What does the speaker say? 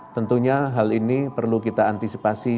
tentunya hal ini perlu kita antisipasi